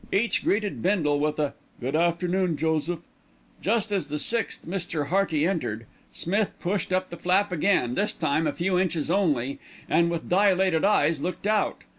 Each greeted Bindle with a "Good afternoon, Joseph." Just as the sixth Mr. Hearty entered, Smith pushed up the flap again, this time a few inches only, and with dilated eyes looked out.